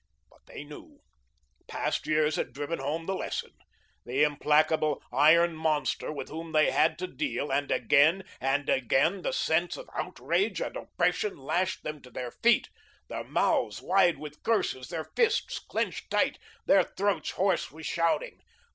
But they knew past years had driven home the lesson the implacable, iron monster with whom they had to deal, and again and again the sense of outrage and oppression lashed them to their feet, their mouths wide with curses, their fists clenched tight, their throats hoarse with shouting.